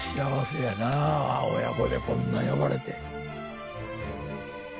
親子でこんな呼ばれて。